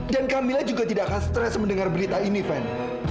dan kamila juga tidak akan stres mendengar berita ini fanny